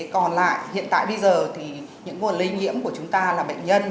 còn lại hiện tại bây giờ thì những nguồn lây nhiễm của chúng ta là bệnh nhân